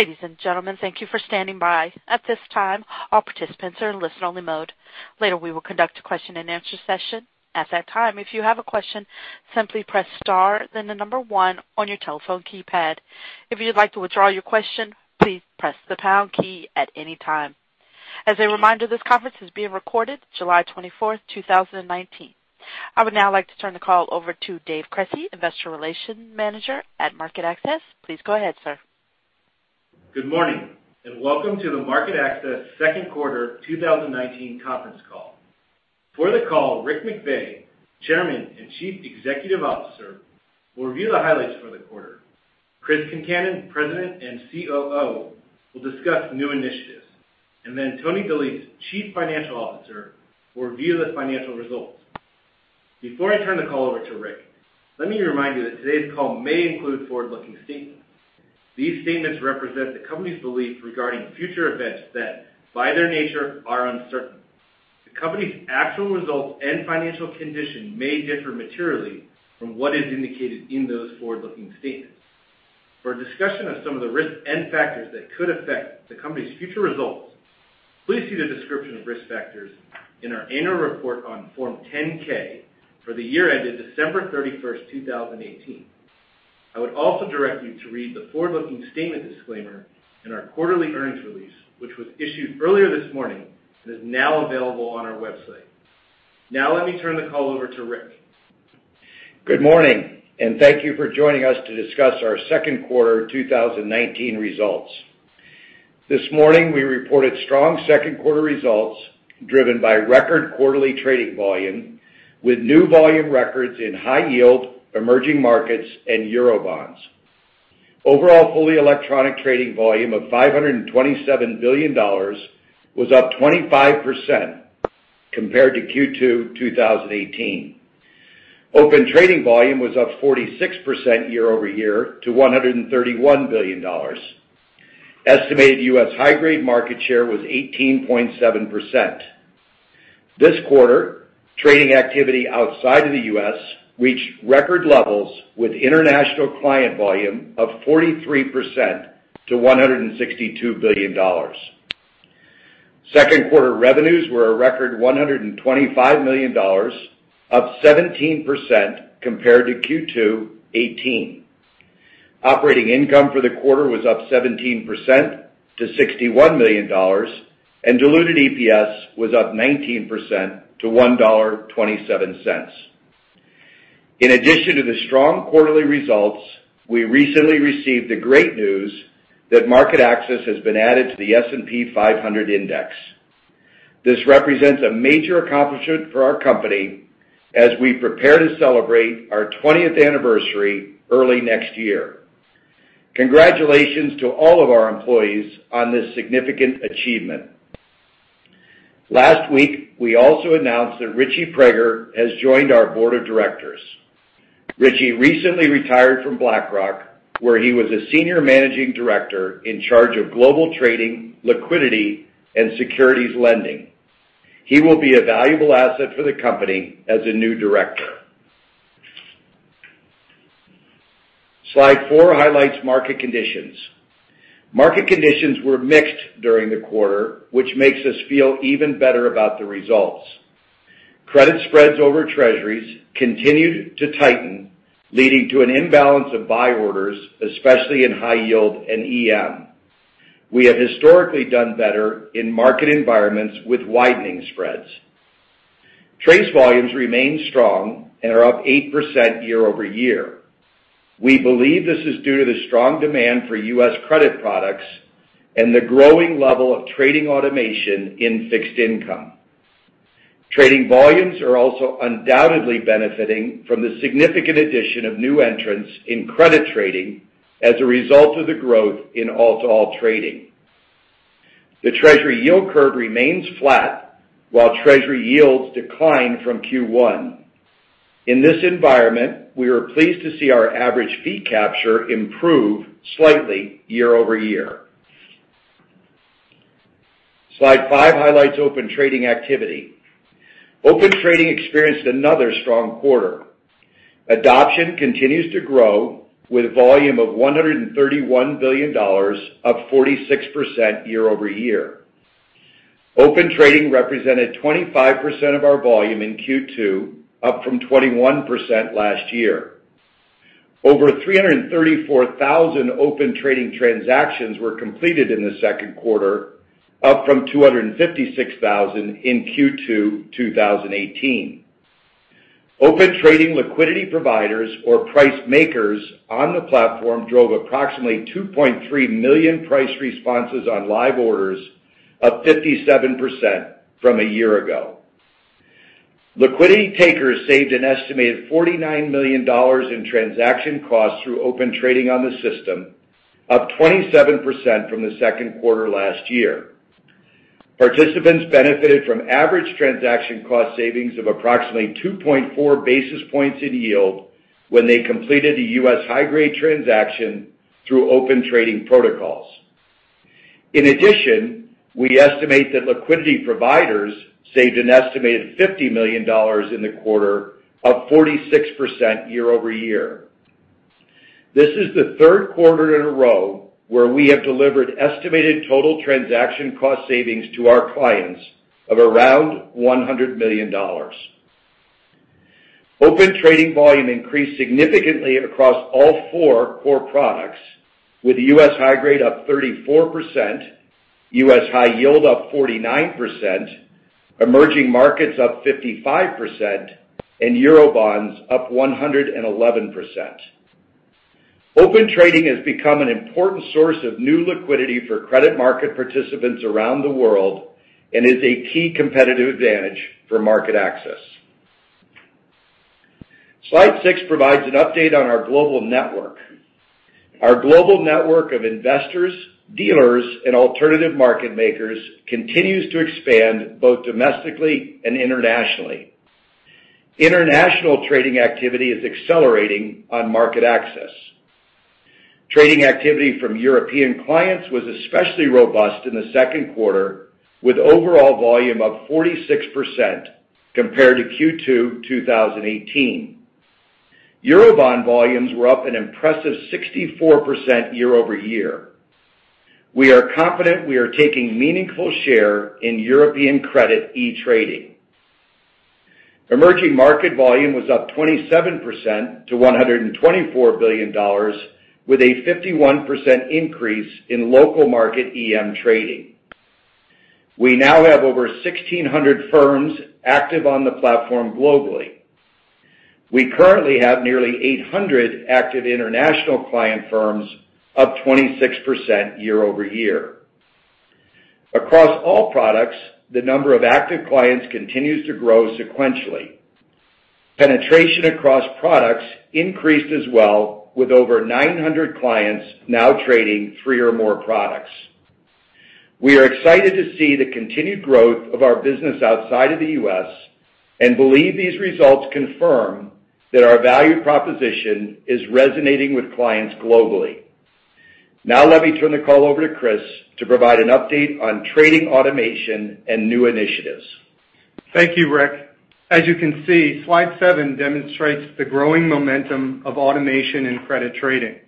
Ladies and gentlemen, thank you for standing by. At this time, all participants are in listen-only mode. Later, we will conduct a question and answer session. At that time, if you have a question, simply press star then the number one on your telephone keypad. If you'd like to withdraw your question, please press the pound key at any time. As a reminder, this conference is being recorded July 24th, 2019. I would now like to turn the call over to Dave Cresci, Investor Relations Manager at MarketAxess. Please go ahead, sir. Good morning, and welcome to the MarketAxess second quarter 2019 conference call. For the call, Rick McVey, Chairman and Chief Executive Officer, will review the highlights for the quarter. Chris Concannon, President and COO, will discuss new initiatives. Tony DeLise, Chief Financial Officer, will review the financial results. Before I turn the call over to Rick, let me remind you that today's call may include forward-looking statements. These statements represent the company's belief regarding future events that, by their nature, are uncertain. The company's actual results and financial condition may differ materially from what is indicated in those forward-looking statements. For a discussion of some of the risks and factors that could affect the company's future results, please see the description of risk factors in our annual report on Form 10-K for the year ended December 31st, 2018. I would also direct you to read the forward-looking statement disclaimer in our quarterly earnings release, which was issued earlier this morning and is now available on our website. Now let me turn the call over to Rick. Good morning. Thank you for joining us to discuss our second quarter 2019 results. This morning, we reported strong second-quarter results driven by record quarterly trading volume, with new volume records in high yield, emerging markets, and Eurobonds. Overall, fully electronic trading volume of $527 billion was up 25% compared to Q2 2018. Open Trading volume was up 46% year-over-year to $131 billion. Estimated U.S. high-grade market share was 18.7%. This quarter, trading activity outside of the U.S. reached record levels with international client volume up 43% to $162 billion. Second quarter revenues were a record $125 million, up 17% compared to Q2 2018. Operating income for the quarter was up 17% to $61 million, and diluted EPS was up 19% to $1.27. In addition to the strong quarterly results, we recently received the great news that MarketAxess has been added to the S&P 500 index. This represents a major accomplishment for our company as we prepare to celebrate our 20th anniversary early next year. Congratulations to all of our employees on this significant achievement. Last week, we also announced that Richie Prager has joined our board of directors. Richie recently retired from BlackRock, where he was a senior managing director in charge of global trading, liquidity, and securities lending. He will be a valuable asset for the company as a new director. Slide four highlights market conditions. Market conditions were mixed during the quarter, which makes us feel even better about the results. Credit spreads over Treasuries continued to tighten, leading to an imbalance of buy orders, especially in high yield and EM. We have historically done better in market environments with widening spreads. TRACE volumes remain strong and are up 8% year-over-year. We believe this is due to the strong demand for U.S. credit products and the growing level of trading automation in fixed income. Trading volumes are also undoubtedly benefiting from the significant addition of new entrants in credit trading as a result of the growth in All-to-All Trading. The Treasury yield curve remains flat, while Treasury yields decline from Q1. In this environment, we are pleased to see our average fee capture improve slightly year-over-year. Slide five highlights Open Trading activity. Open Trading experienced another strong quarter. Adoption continues to grow with volume of $131 billion, up 46% year-over-year. Open Trading represented 25% of our volume in Q2, up from 21% last year. Over 334,000 Open Trading transactions were completed in the second quarter, up from 256,000 in Q2 2018. Open Trading liquidity providers or price makers on the platform drove approximately 2.3 million price responses on live orders, up 57% from a year ago. Liquidity takers saved an estimated $49 million in transaction costs through Open Trading on the system, up 27% from the second quarter last year. Participants benefited from average transaction cost savings of approximately 2.4 basis points in yield when they completed a U.S. high-grade transaction through Open Trading protocols. In addition, we estimate that liquidity providers saved an estimated $50 million in the quarter, up 46% year-over-year. This is the third quarter in a row where we have delivered estimated total transaction cost savings to our clients of around $100 million. Open Trading volume increased significantly across all four core products, with U.S. high grade up 34%, U.S. high yield up 49%, emerging markets up 55%, and Eurobonds up 111%. Open Trading has become an important source of new liquidity for credit market participants around the world and is a key competitive advantage for MarketAxess. Slide six provides an update on our global network. Our global network of investors, dealers, and alternative market makers continues to expand both domestically and internationally. International trading activity is accelerating on MarketAxess. Trading activity from European clients was especially robust in the second quarter, with overall volume up 46% compared to Q2 2018. Eurobond volumes were up an impressive 64% year-over-year. We are confident we are taking meaningful share in European credit e-trading. Emerging market volume was up 27% to $124 billion, with a 51% increase in local market EM trading. We now have over 1,600 firms active on the platform globally. We currently have nearly 800 active international client firms, up 26% year-over-year. Across all products, the number of active clients continues to grow sequentially. Penetration across products increased as well, with over 900 clients now trading three or more products. We are excited to see the continued growth of our business outside of the U.S. and believe these results confirm that our value proposition is resonating with clients globally. Now let me turn the call over to Chris to provide an update on trading automation and new initiatives. Thank you, Rick. As you can see, slide seven demonstrates the growing momentum of automation in credit trading.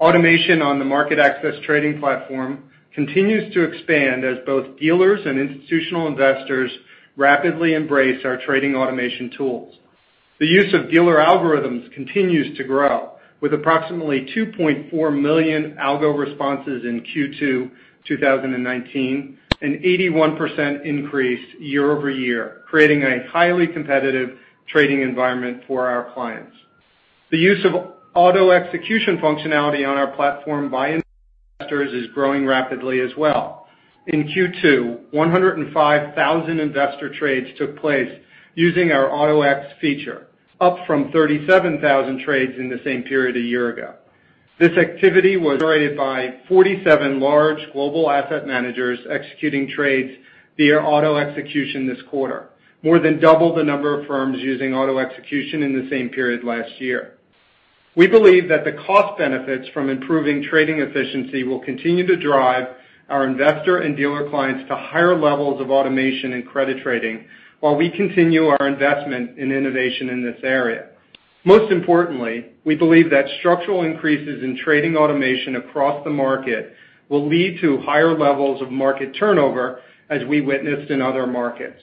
Automation on the MarketAxess trading platform continues to expand as both dealers and institutional investors rapidly embrace our trading automation tools. The use of dealer algorithms continues to grow, with approximately 2.4 million algo responses in Q2 2019, an 81% increase year-over-year, creating a highly competitive trading environment for our clients. The use of auto-execution functionality on our platform by investors is growing rapidly as well. In Q2, 105,000 investor trades took place using our Auto-X feature, up from 37,000 trades in the same period a year ago. This activity was generated by 47 large global asset managers executing trades via auto-execution this quarter, more than double the number of firms using auto-execution in the same period last year. We believe that the cost benefits from improving trading efficiency will continue to drive our investor and dealer clients to higher levels of automation and credit trading while we continue our investment in innovation in this area. Most importantly, we believe that structural increases in trading automation across the market will lead to higher levels of market turnover, as we witnessed in other markets.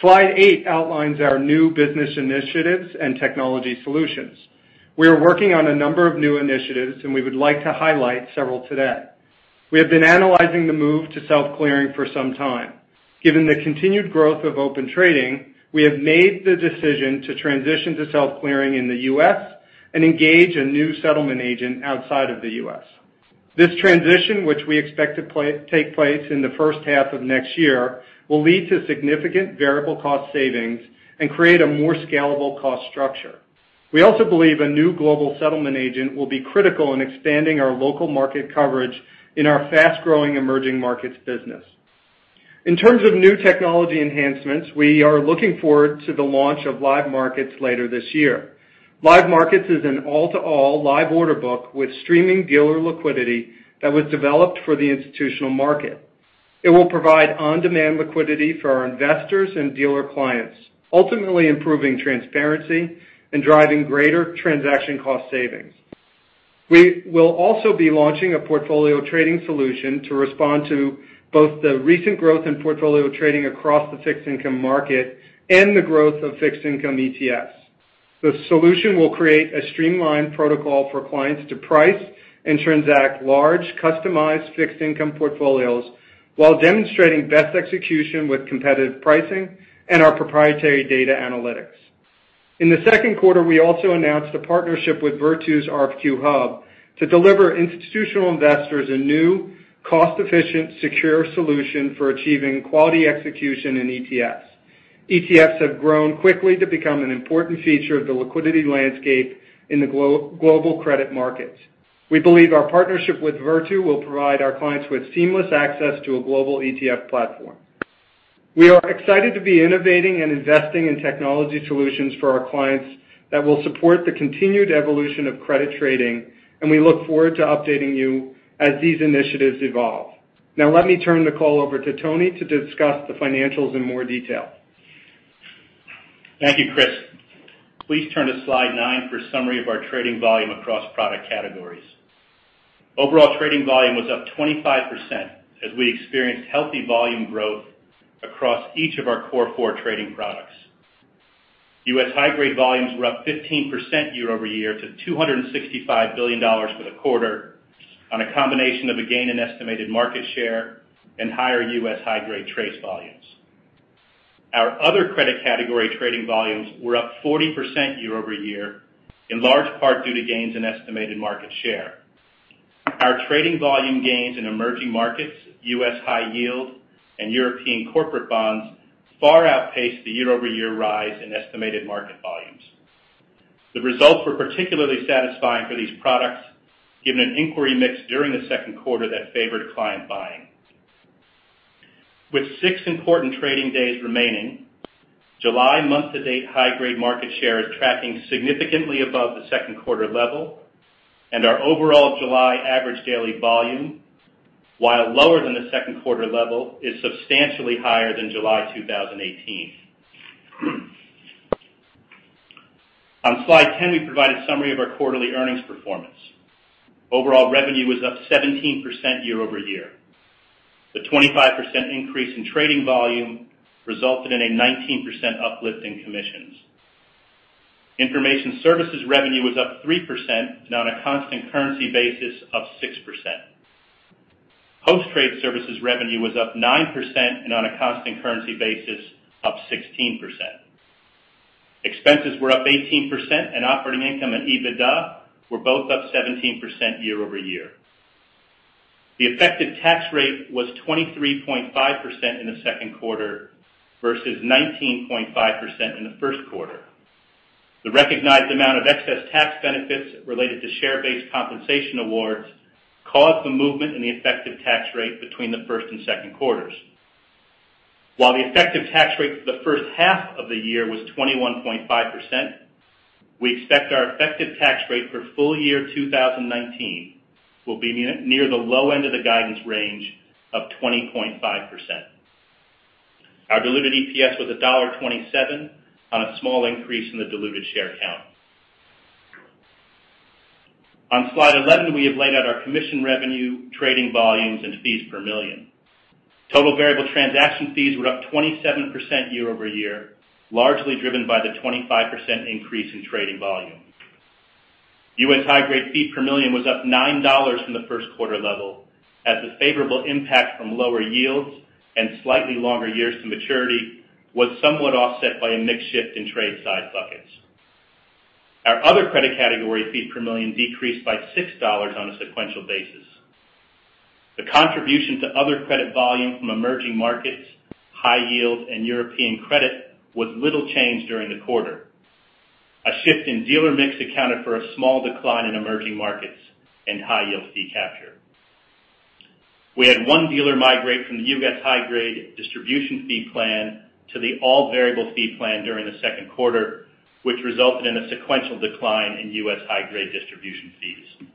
Slide eight outlines our new business initiatives and technology solutions. We are working on a number of new initiatives, and we would like to highlight several today. We have been analyzing the move to self-clearing for some time. Given the continued growth of Open Trading, we have made the decision to transition to self-clearing in the U.S. and engage a new settlement agent outside of the U.S. This transition, which we expect to take place in the first half of next year, will lead to significant variable cost savings and create a more scalable cost structure. We also believe a new global settlement agent will be critical in expanding our local market coverage in our fast-growing emerging markets business. In terms of new technology enhancements, we are looking forward to the launch of Live Markets later this year. Live Markets is an all-to-all live order book with streaming dealer liquidity that was developed for the institutional market. It will provide on-demand liquidity for our investors and dealer clients, ultimately improving transparency and driving greater transaction cost savings. We will also be launching a portfolio trading solution to respond to both the recent growth in portfolio trading across the fixed income market and the growth of fixed income ETFs. The solution will create a streamlined protocol for clients to price and transact large, customized fixed income portfolios while demonstrating best execution with competitive pricing and our proprietary data analytics. In the second quarter, we also announced a partnership with Virtu's RFQ-hub to deliver institutional investors a new, cost-efficient, secure solution for achieving quality execution in ETFs. ETFs have grown quickly to become an important feature of the liquidity landscape in the global credit markets. We believe our partnership with Virtu will provide our clients with seamless access to a global ETF platform. We are excited to be innovating and investing in technology solutions for our clients that will support the continued evolution of credit trading, and we look forward to updating you as these initiatives evolve. Let me turn the call over to Tony to discuss the financials in more detail. Thank you, Chris. Please turn to slide nine for a summary of our trading volume across product categories. Overall trading volume was up 25% as we experienced healthy volume growth across each of our core four trading products. U.S. high-grade volumes were up 15% year-over-year to $265 billion for the quarter on a combination of a gain in estimated market share and higher U.S. high-grade trade volumes. Our other credit category trading volumes were up 40% year-over-year, in large part due to gains in estimated market share. Our trading volume gains in emerging markets, U.S. high yield, and European corporate bonds far outpaced the year-over-year rise in estimated market volumes. The results were particularly satisfying for these products, given an inquiry mix during the second quarter that favored client buying. With six important trading days remaining, July month-to-date high-grade market share is tracking significantly above the second quarter level. Our overall July average daily volume, while lower than the second quarter level, is substantially higher than July 2018. On slide 10, we provide a summary of our quarterly earnings performance. Overall revenue was up 17% year-over-year. The 25% increase in trading volume resulted in a 19% uplift in commissions. Information services revenue was up 3%. On a constant currency basis, up 6%. Post-trade services revenue was up 9%. On a constant currency basis, up 16%. Expenses were up 18%. Operating income and EBITDA were both up 17% year-over-year. The effective tax rate was 23.5% in the second quarter versus 19.5% in the first quarter. The recognized amount of excess tax benefits related to share-based compensation awards caused the movement in the effective tax rate between the first and second quarters. While the effective tax rate for the first half of the year was 21.5%, we expect our effective tax rate for full year 2019 will be near the low end of the guidance range of 20.5%. Our diluted EPS was $1.27 on a small increase in the diluted share count. On slide 11, we have laid out our commission revenue, trading volumes, and fees per million. Total variable transaction fees were up 27% year-over-year, largely driven by the 25% increase in trading volume. U.S. high-grade fee per million was up $9 from the first-quarter level as the favorable impact from lower yields and slightly longer years to maturity was somewhat offset by a mix shift in trade size buckets. Our other credit category fees per million decreased by $6 on a sequential basis. The contribution to other credit volume from emerging markets, high yield, and European credit was little changed during the quarter. A shift in dealer mix accounted for a small decline in emerging markets and high-yield fee capture. We had one dealer migrate from the U.S. high-grade distribution fee plan to the all-variable fee plan during the second quarter, which resulted in a sequential decline in U.S. high-grade distribution fees.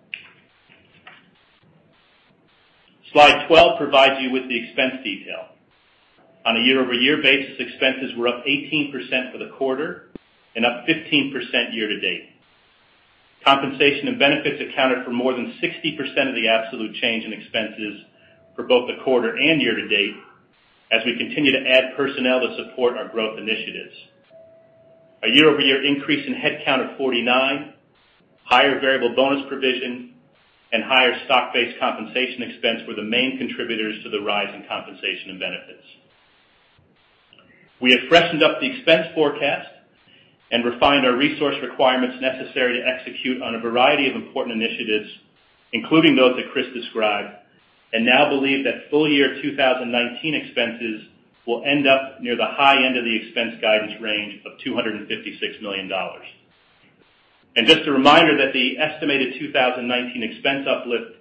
Slide 12 provides you with the expense detail. On a year-over-year basis, expenses were up 18% for the quarter and up 15% year to date. Compensation and benefits accounted for more than 60% of the absolute change in expenses for both the quarter and year to date as we continue to add personnel to support our growth initiatives. A year-over-year increase in headcount of 49, higher variable bonus provision, and higher stock-based compensation expense were the main contributors to the rise in compensation and benefits. We have freshened up the expense forecast and refined our resource requirements necessary to execute on a variety of important initiatives, including those that Chris described, and now believe that full year 2019 expenses will end up near the high end of the expense guidance range of $256 million. Just a reminder that the estimated 2019 expense uplift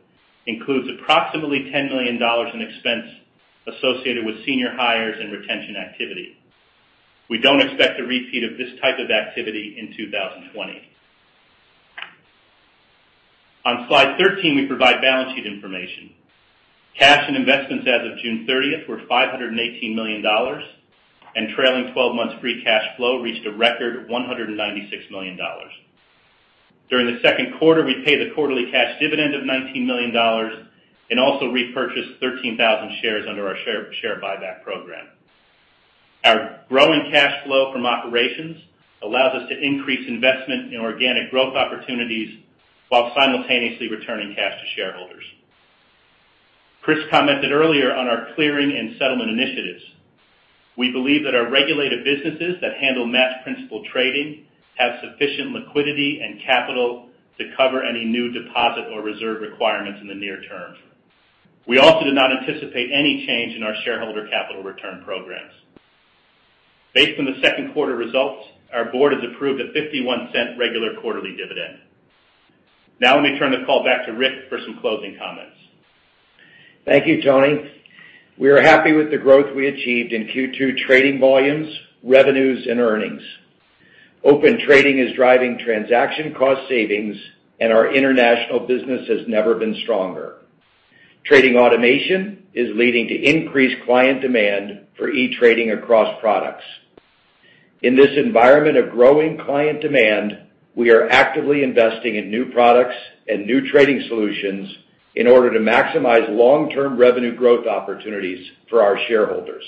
includes approximately $10 million in expense associated with senior hires and retention activity. We don't expect a repeat of this type of activity in 2020. On slide 13, we provide balance sheet information. Cash and investments as of June 30th were $518 million, and trailing 12 months free cash flow reached a record $196 million. During the second quarter, we paid a quarterly cash dividend of $19 million and also repurchased 13,000 shares under our share buyback program. Our growing cash flow from operations allows us to increase investment in organic growth opportunities while simultaneously returning cash to shareholders. Chris commented earlier on our clearing and settlement initiatives. We believe that our regulated businesses that handle matched principal trading have sufficient liquidity and capital to cover any new deposit or reserve requirements in the near term. We also do not anticipate any change in our shareholder capital return programs. Based on the second quarter results, our board has approved a $0.51 regular quarterly dividend. Now let me turn the call back to Rick for some closing comments. Thank you, Tony. We are happy with the growth we achieved in Q2 trading volumes, revenues, and earnings. Open trading is driving transaction cost savings, and our international business has never been stronger. Trading automation is leading to increased client demand for e-trading across products. In this environment of growing client demand, we are actively investing in new products and new trading solutions in order to maximize long-term revenue growth opportunities for our shareholders.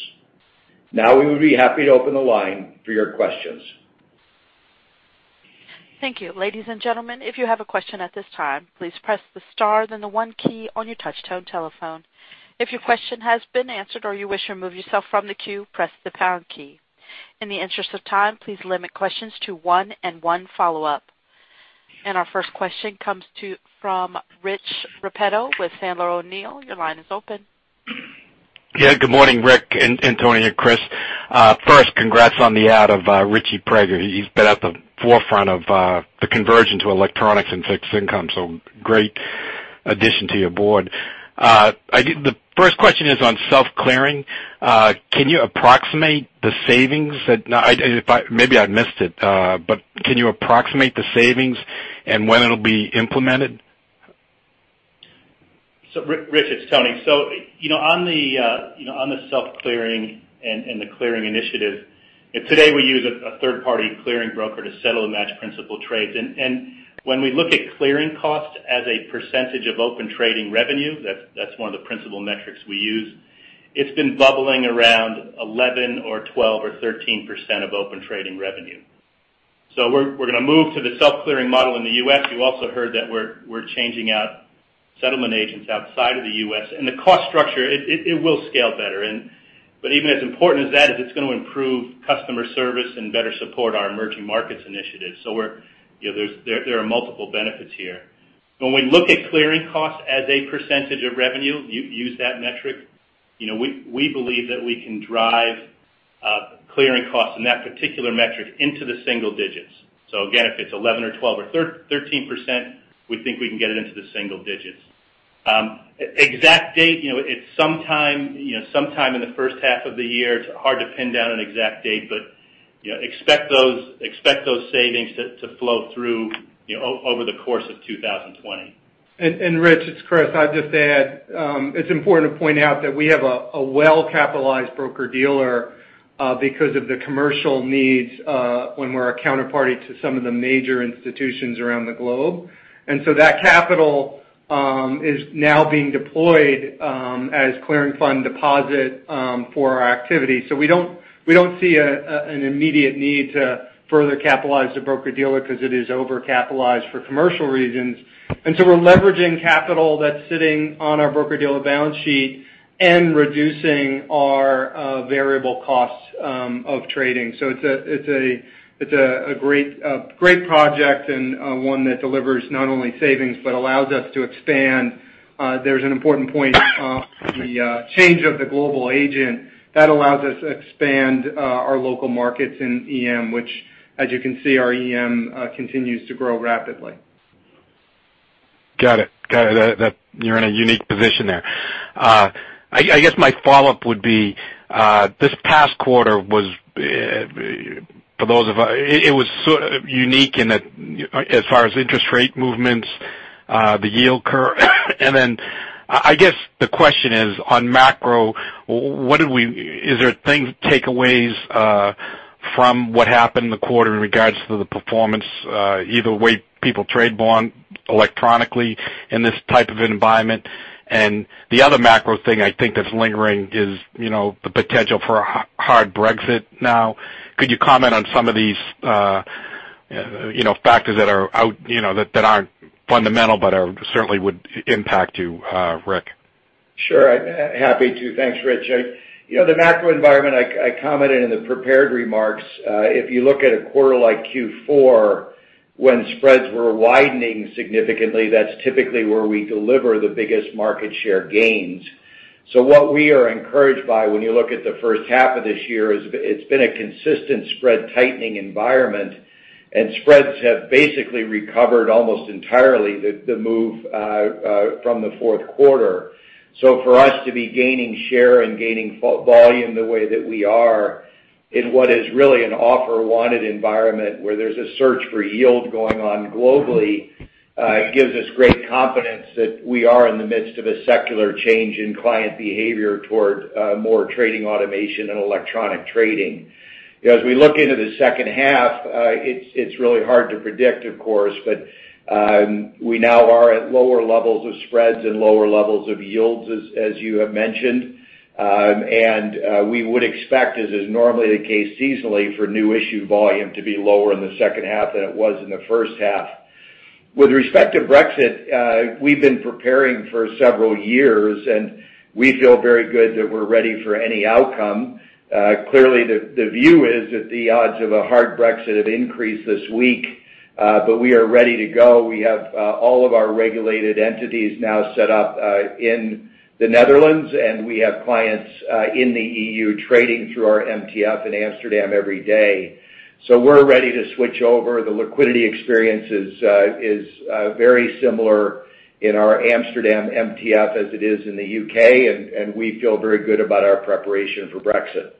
Now we would be happy to open the line for your questions. Thank you. Ladies and gentlemen, if you have a question at this time, please press the star then the one key on your touch tone telephone. If your question has been answered or you wish to remove yourself from the queue, press the pound key. In the interest of time, please limit questions to one and one follow-up. Our first question comes from Rich Repetto with Sandler O'Neill. Your line is open. Yeah. Good morning, Rick and Tony and Chris. First, congrats on the add of Richie Prager. He's been at the forefront of the conversion to electronics and fixed income, so great addition to your board. The first question is on self-clearing. Can you approximate the savings? Maybe I missed it, but can you approximate the savings and when it'll be implemented? So Rich, it's Tony. On the self-clearing and the clearing initiative, today we use a third-party clearing broker to settle and match principal trades. When we look at clearing costs as a percentage of Open Trading revenue, that's one of the principal metrics we use. It's been bubbling around 11% or 12% or 13% of Open Trading revenue. We're going to move to the self-clearing model in the U.S. You also heard that we're changing out settlement agents outside of the U.S. and the cost structure, it will scale better. Even as important as that is, it's going to improve customer service and better support our emerging markets initiatives. There are multiple benefits here. When we look at clearing costs as a percentage of revenue, use that metric. We believe that we can drive clearing costs in that particular metric into the single digits. Again, if it's 11% or 12% or 13%, we think we can get it into the single digits. Exact date, it's sometime in the first half of the year. It's hard to pin down an exact date, but expect those savings to flow through over the course of 2020. Rich, it's Chris. I'd just add, it's important to point out that we have a well-capitalized broker-dealer because of the commercial needs, when we're a counterparty to some of the major institutions around the globe. That capital is now being deployed as clearing fund deposit for our activity. We don't see an immediate need to further capitalize the broker-dealer because it is over-capitalized for commercial reasons. We're leveraging capital that's sitting on our broker-dealer balance sheet and reducing our variable costs of trading. It's a great project and one that delivers not only savings, but allows us to expand. There's an important point on the change of the global agent that allows us to expand our local markets in EM, which, as you can see, our EM continues to grow rapidly. Got it. You're in a unique position there. I guess my follow-up would be, this past quarter, it was sort of unique in that as far as interest rate movements, the yield curve. I guess the question is on macro, is there takeaways from what happened in the quarter in regards to the performance, either way people trade bond electronically in this type of environment? The other macro thing I think that's lingering is the potential for a hard Brexit now. Could you comment on some of these factors that aren't fundamental but certainly would impact you, Rick? Sure. Happy to. Thanks, Rich. The macro environment, I commented in the prepared remarks. If you look at a quarter like Q4, when spreads were widening significantly, that's typically where we deliver the biggest market share gains. What we are encouraged by when you look at the first half of this year is it's been a consistent spread tightening environment, and spreads have basically recovered almost entirely the move from the fourth quarter. For us to be gaining share and gaining volume the way that we are in what is really an offer-wanted environment where there's a search for yield going on globally gives us great confidence that we are in the midst of a secular change in client behavior towards more trading automation and electronic trading. As we look into the second half, it's really hard to predict, of course, but we now are at lower levels of spreads and lower levels of yields, as you have mentioned. We would expect, as is normally the case seasonally, for new issue volume to be lower in the second half than it was in the first half. With respect to Brexit, we've been preparing for several years, and we feel very good that we're ready for any outcome. Clearly, the view is that the odds of a hard Brexit have increased this week We are ready to go. We have all of our regulated entities now set up in the Netherlands, and we have clients in the EU trading through our MTF in Amsterdam every day. We're ready to switch over. The liquidity experience is very similar in our Amsterdam MTF as it is in the U.K., and we feel very good about our preparation for Brexit.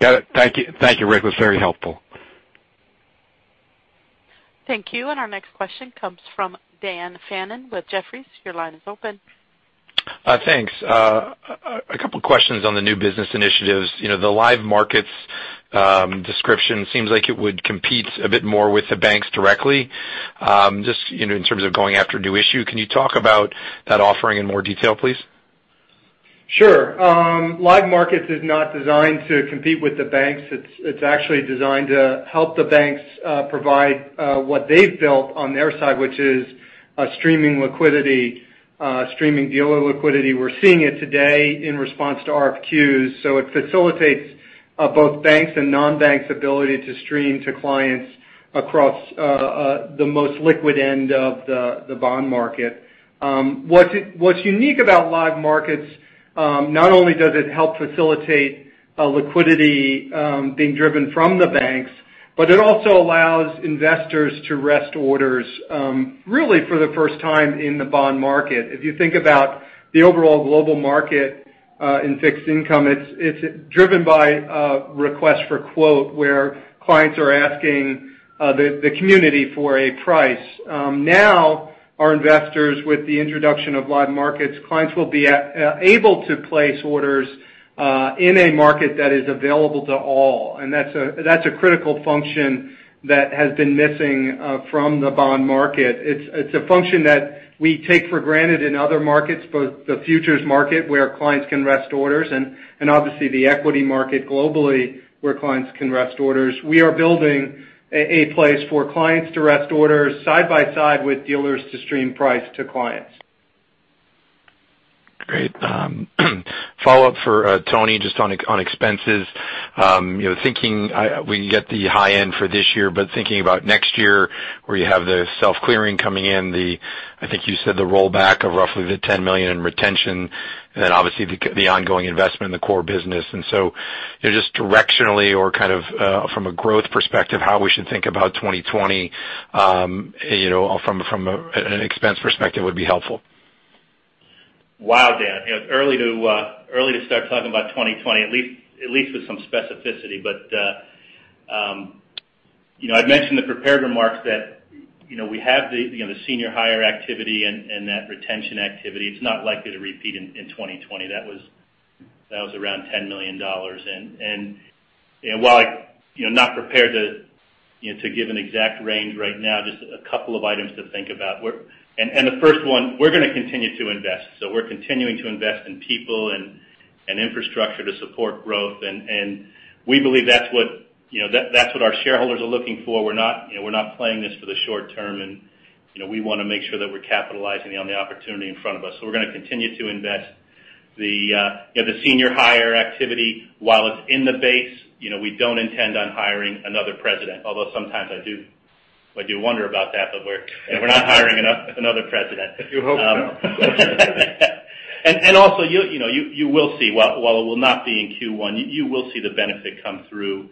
Got it. Thank you, Rick. That's very helpful. Thank you. Our next question comes from Dan Fannon with Jefferies. Your line is open. Thanks. A couple questions on the new business initiatives. The Live Markets description seems like it would compete a bit more with the banks directly. Just in terms of going after new issue. Can you talk about that offering in more detail, please? Sure. Live Markets is not designed to compete with the banks. It's actually designed to help the banks provide what they've built on their side, which is streaming liquidity, streaming dealer liquidity. We're seeing it today in response to RFQs. It facilitates both banks and non-banks' ability to stream to clients across the most liquid end of the bond market. What's unique about Live Markets, not only does it help facilitate liquidity being driven from the banks, but it also allows investors to rest orders really for the first time in the bond market. If you think about the overall global market in fixed income, it's driven by a request for quote, where clients are asking the community for a price. Now, our investors, with the introduction of Live Markets, clients will be able to place orders in a market that is available to all, and that's a critical function that has been missing from the bond market. It's a function that we take for granted in other markets, both the futures market, where clients can rest orders, and obviously the equity market globally, where clients can rest orders. We are building a place for clients to rest orders side by side with dealers to stream price to clients. Great. Follow-up for Tony, just on expenses. Thinking we can get the high end for this year, but thinking about next year where you have the self-clearing coming in, I think you said the rollback of roughly the $10 million in retention, and then obviously the ongoing investment in the core business. Just directionally or kind of from a growth perspective, how we should think about 2020 from an expense perspective would be helpful. Wow, Dan. Early to start talking about 2020, at least with some specificity. I'd mentioned in the prepared remarks that we have the senior hire activity and that retention activity. It's not likely to repeat in 2020. That was around $10 million. While I'm not prepared to give an exact range right now, just a couple of items to think about. The first one, we're going to continue to invest. We're continuing to invest in people and infrastructure to support growth. We believe that's what our shareholders are looking for. We're not playing this for the short term, and we want to make sure that we're capitalizing on the opportunity in front of us, so we're going to continue to invest. The senior hire activity, while it's in the base, we don't intend on hiring another president, although sometimes I do wonder about that. We're not hiring another president. You hope so. Also, you will see, while it will not be in Q1, you will see the benefit come through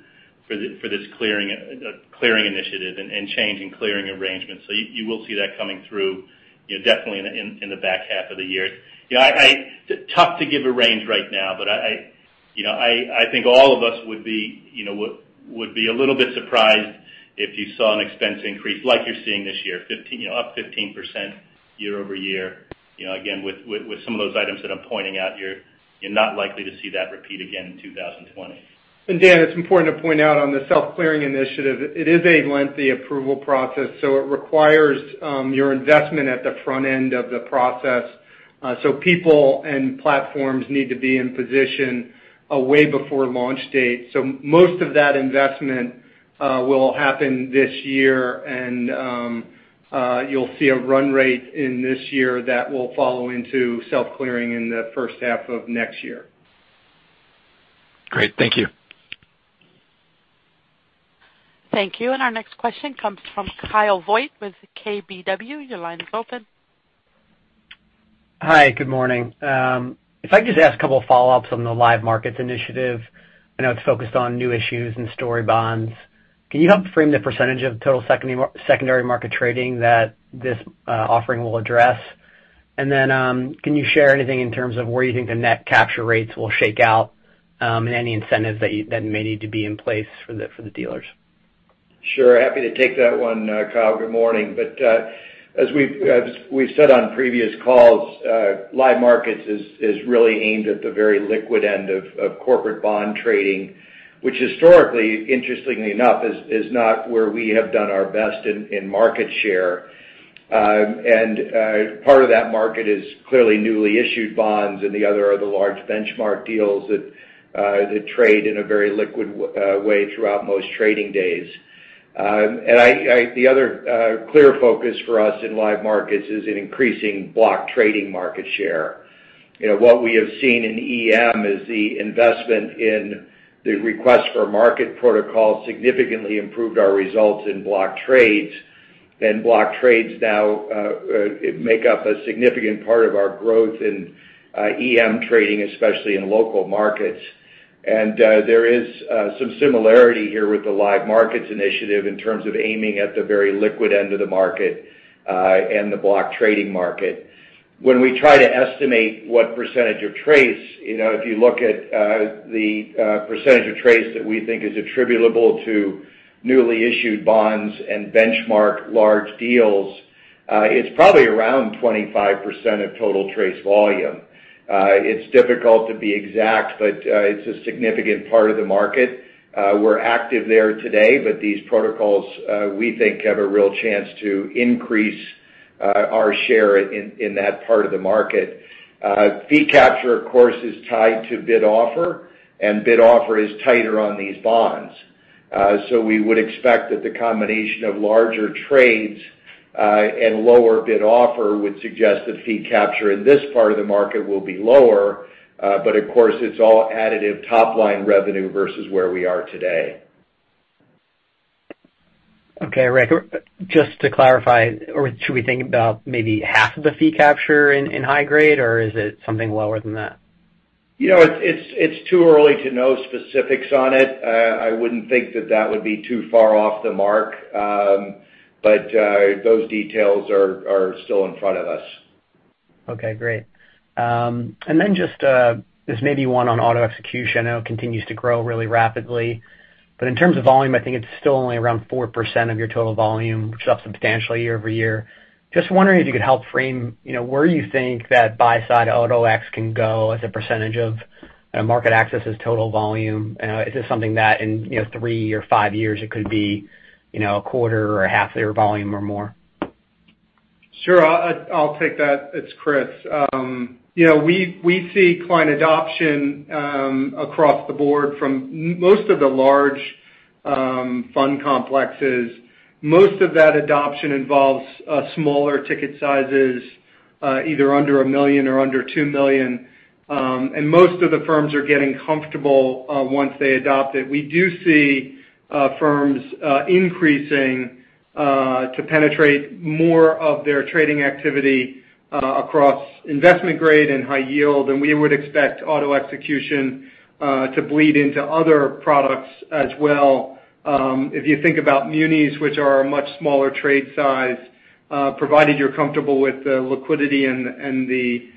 for this clearing initiative and change in clearing arrangements. You will see that coming through definitely in the back half of the year. Tough to give a range right now, but I think all of us would be a little bit surprised if you saw an expense increase like you're seeing this year, up 15% year-over-year. Again, with some of those items that I'm pointing out, you're not likely to see that repeat again in 2020. And Dan, it's important to point out on the self-clearing initiative, it is a lengthy approval process, so it requires your investment at the front end of the process. People and platforms need to be in position way before launch date. Most of that investment will happen this year, and you'll see a run rate in this year that will follow into self-clearing in the first half of next year. Great. Thank you. Thank you. Our next question comes from Kyle Voigt with KBW. Your line is open. Hi, good morning. If I could just ask a couple of follow-ups on the Live Markets initiative. I know it's focused on new issues and story bonds. Can you help frame the percentage of total secondary market trading that this offering will address? Can you share anything in terms of where you think the net capture rates will shake out, and any incentives that may need to be in place for the dealers? Sure. Happy to take that one, Kyle. Good morning. As we've said on previous calls, Live Markets is really aimed at the very liquid end of corporate bond trading, which historically, interestingly enough, is not where we have done our best in market share. Part of that market is clearly newly issued bonds and the other are the large benchmark deals that trade in a very liquid way throughout most trading days. The other clear focus for us in Live Markets is in increasing block trading market share. What we have seen in EM is the investment in the Request for Market protocol significantly improved our results in block trades. Block trades now make up a significant part of our growth in EM trading, especially in local markets. There is some similarity here with the Live Markets initiative in terms of aiming at the very liquid end of the market and the block trading market. When we try to estimate what percentage of trades, if you look at the percentage of trades that we think is attributable to newly issued bonds and benchmark large deals, it's probably around 25% of total trades volume. It's difficult to be exact, but it's a significant part of the market. We're active there today, but these protocols, we think, have a real chance to increase our share in that part of the market. Fee capture, of course, is tied to bid offer, and bid offer is tighter on these bonds. we would expect that the combination of larger trades and lower bid offer would suggest that fee capture in this part of the market will be lower. Of course, it's all additive top-line revenue versus where we are today. Okay, Rick, just to clarify, or should we think about maybe half of the fee capture in high grade, or is it something lower than that? It's too early to know specifics on it. I wouldn't think that that would be too far off the mark. Those details are still in front of us. Okay, great. Just this may be one on Auto-Execution. I know it continues to grow really rapidly. In terms of volume, I think it's still only around 4% of your total volume, which is up substantially year-over-year. Just wondering if you could help frame where you think that buy-side Auto-X can go as a percentage of MarketAxess' total volume. Is this something that in three or five years, it could be a quarter or a half their volume or more? Sure. I'll take that. It's Chris. We see client adoption across the board from most of the large fund complexes. Most of that adoption involves smaller ticket sizes, either under a million or under two million. Most of the firms are getting comfortable once they adopt it. We do see firms increasing to penetrate more of their trading activity across investment grade and high yield, and we would expect auto execution to bleed into other products as well. If you think about munis, which are a much smaller trade size, provided you're comfortable with the liquidity on the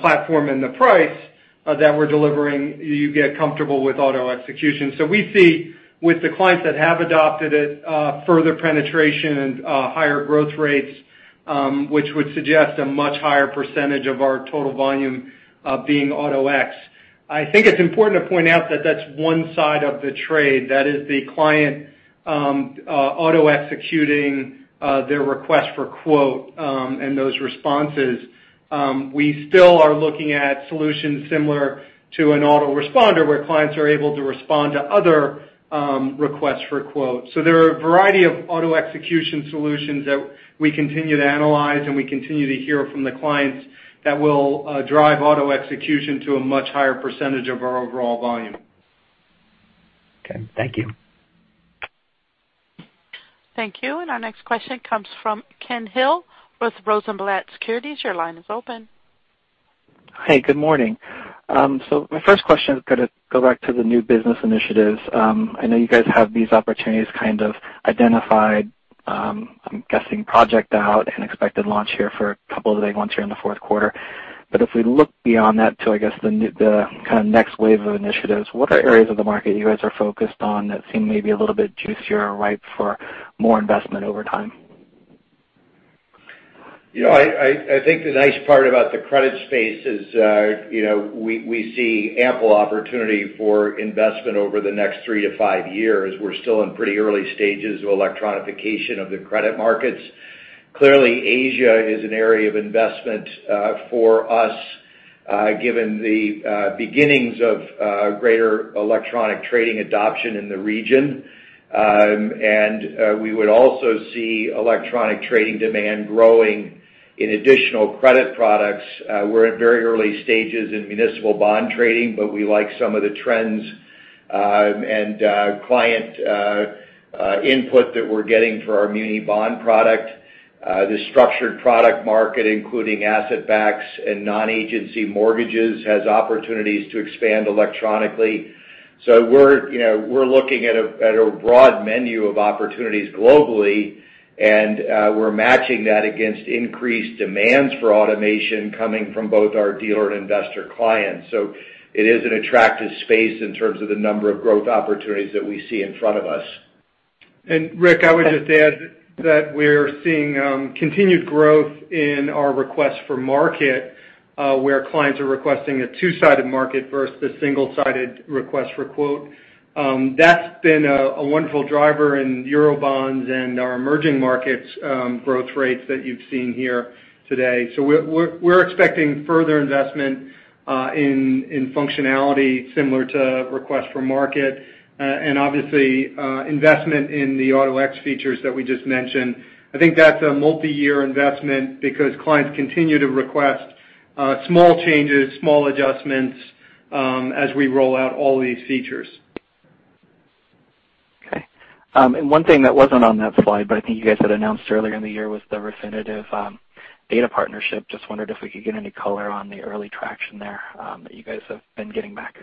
platform, and the price that we're delivering, you get comfortable with auto execution. We see with the clients that have adopted it, further penetration and higher growth rates, which would suggest a much higher percentage of our total volume being Auto-X. I think it's important to point out that that's one side of the trade. That is the client auto-executing their request for quote and those responses. We still are looking at solutions similar to an autoresponder where clients are able to respond to other requests for quotes. There are a variety of auto-execution solutions that we continue to analyze and we continue to hear from the clients that will drive auto execution to a much higher percentage of our overall volume. Okay. Thank you. Thank you. Our next question comes from Ken Hill with Rosenblatt Securities. Your line is open. Hey, good morning. My first question is going to go back to the new business initiatives. I know you guys have these opportunities kind of identified, I'm guessing project out an expected launch here for a couple of the ones here in the fourth quarter. If we look beyond that to, I guess, the kind of next wave of initiatives, what are areas of the market you guys are focused on that seem maybe a little bit juicier or ripe for more investment over time? I think the nice part about the credit space is we see ample opportunity for investment over the next three to five years. We're still in pretty early stages of electronification of the credit markets. Clearly, Asia is an area of investment for us given the beginnings of greater electronic trading adoption in the region. We would also see electronic trading demand growing in additional credit products. We're in very early stages in municipal bond trading, but we like some of the trends and client input that we're getting for our muni bond product. The structured product market, including asset backs and non-agency mortgages, has opportunities to expand electronically. We're looking at a broad menu of opportunities globally, and we're matching that against increased demands for automation coming from both our dealer and investor clients. It is an attractive space in terms of the number of growth opportunities that we see in front of us. Rick, I would just add that we're seeing continued growth in our request for market, where clients are requesting a two-sided market versus the single-sided request for quote. That's been a wonderful driver in Eurobonds and our emerging markets growth rates that you've seen here today. We're expecting further investment in functionality similar to request for market. Obviously, investment in the Auto-X features that we just mentioned. I think that's a multi-year investment because clients continue to request small changes, small adjustments as we roll out all these features. Okay. One thing that wasn't on that slide, but I think you guys had announced earlier in the year, was the Refinitiv data partnership. Just wondered if we could get any color on the early traction there, that you guys have been getting back.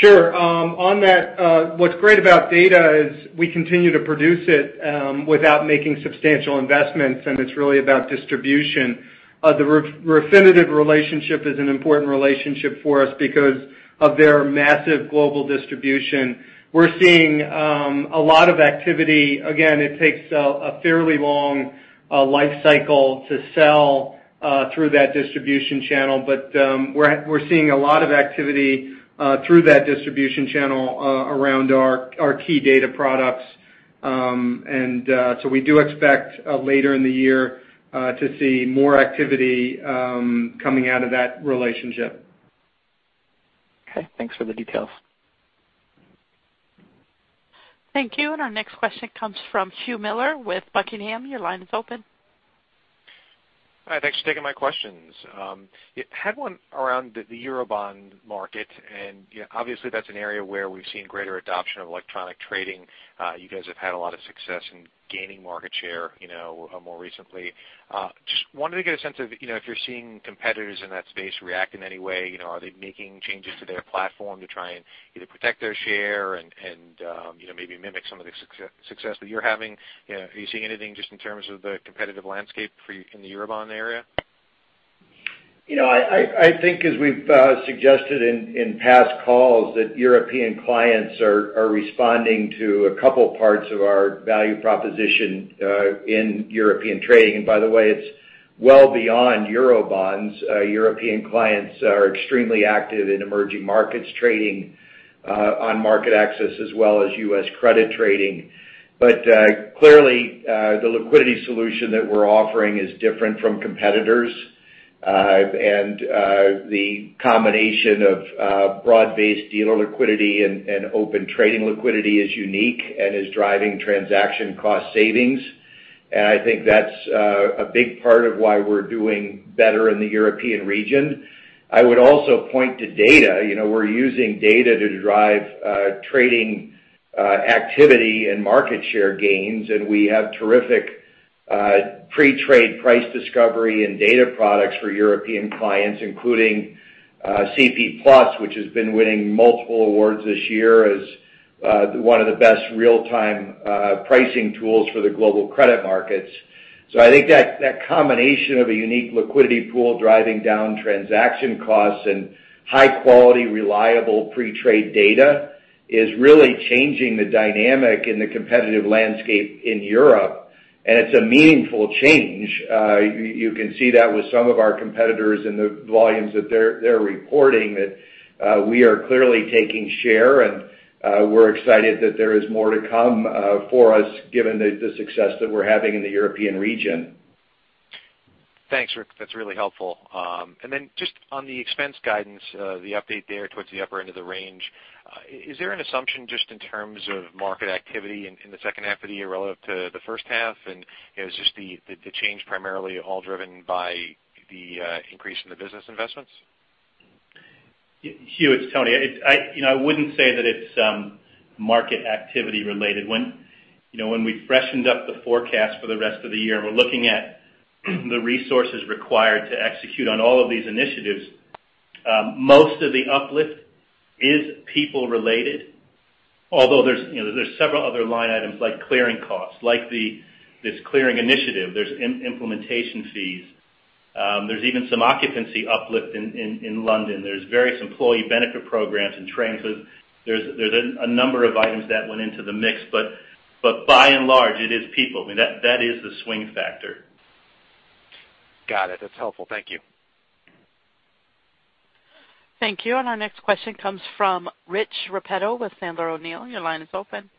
Sure. On that, what's great about data is we continue to produce it without making substantial investments, and it's really about distribution. The Refinitiv relationship is an important relationship for us because of their massive global distribution. We're seeing a lot of activity. Again, it takes a fairly long life cycle to sell through that distribution channel. We're seeing a lot of activity through that distribution channel around our key data products. We do expect later in the year to see more activity coming out of that relationship. Okay. Thanks for the details. Thank you. Our next question comes from Hugh Miller with Buckingham. Your line is open. Hi, thanks for taking my questions. I had one around the Eurobond market, and obviously, that's an area where we've seen greater adoption of electronic trading. You guys have had a lot of success in gaining market share more recently. Just wanted to get a sense of if you're seeing competitors in that space react in any way. Are they making changes to their platform to try and either protect their share and maybe mimic some of the success that you're having? Are you seeing anything just in terms of the competitive landscape in the Eurobond area? I think, as we've suggested in past calls, that European clients are responding to a couple parts of our value proposition in European trading. By the way, it's well beyond Eurobonds. European clients are extremely active in emerging markets trading on MarketAxess, as well as U.S. credit trading. Clearly, the liquidity solution that we're offering is different from competitors. The combination of broad-based dealer liquidity and Open Trading liquidity is unique and is driving transaction cost savings. I think that's a big part of why we're doing better in the European region. I would also point to data. We're using data to drive trading activity and market share gains, and we have terrific pre-trade price discovery and data products for European clients, including CP+, which has been winning multiple awards this year as one of the best real-time pricing tools for the global credit markets. I think that combination of a unique liquidity pool driving down transaction costs and high-quality, reliable pre-trade data is really changing the dynamic in the competitive landscape in Europe. It's a meaningful change. You can see that with some of our competitors in the volumes that they're reporting, that we are clearly taking share. We're excited that there is more to come for us given the success that we're having in the European region. Thanks, Rick. That's really helpful. Just on the expense guidance, the update there towards the upper end of the range, is there an assumption just in terms of market activity in the second half of the year relative to the first half? Is the change primarily all driven by the increase in the business investments? Hugh, it's Tony. I wouldn't say that it's market activity-related. When we freshened up the forecast for the rest of the year, we're looking at the resources required to execute on all of these initiatives. Most of the uplift is people-related, although there's several other line items like clearing costs. Like this clearing initiative, there's implementation fees. There's even some occupancy uplift in London. There's various employee benefit programs and trainings. There's a number of items that went into the mix. By and large, it is people. That is the swing factor. Got it. That's helpful. Thank you. Thank you. Our next question comes from Rich Repetto with Sandler O'Neill. Your line is open.